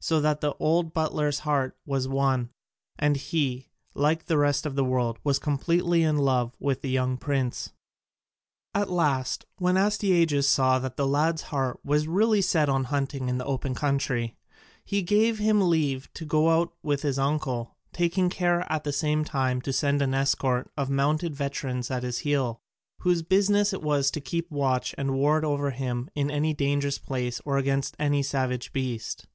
So that the old butler's heart was won, and he, like the rest of the world, was completely in love with the young prince. At last when Astyages saw that the lad's heart was really set on hunting in the open country, he gave him leave to go out with his uncle, taking care at the same time to send an escort of mounted veterans at his heels, whose business it was to keep watch and ward over him in any dangerous place or against any savage beast.